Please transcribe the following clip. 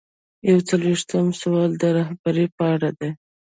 یو څلویښتم سوال د رهبرۍ په اړه دی.